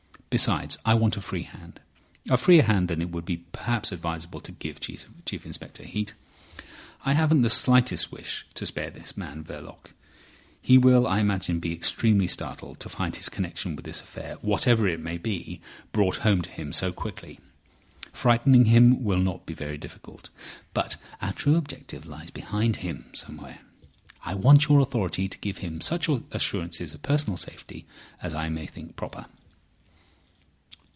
Besides, I want a free hand—a freer hand than it would be perhaps advisable to give Chief Inspector Heat. I haven't the slightest wish to spare this man Verloc. He will, I imagine, be extremely startled to find his connection with this affair, whatever it may be, brought home to him so quickly. Frightening him will not be very difficult. But our true objective lies behind him somewhere. I want your authority to give him such assurances of personal safety as I may think proper."